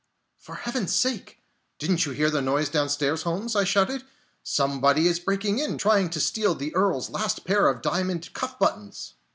"For Heaven's sake, didn't you hear the noise downstairs, Holmes?" I shouted. "Somebody is breaking in, trying to steal the Earl's last pair of diamond cuff buttons!"